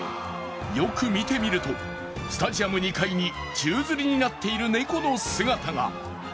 よく見てみると、スタジアム２階に宙づりになっている猫の姿が。